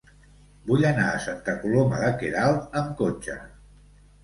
Vull anar a Santa Coloma de Queralt amb cotxe.